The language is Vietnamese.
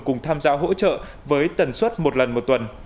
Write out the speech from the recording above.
cùng tham gia hỗ trợ với tần suất một lần một tuần